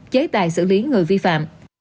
chế tài xử lý người vi phạm